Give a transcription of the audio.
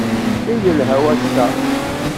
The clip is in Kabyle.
I yelha wass-a!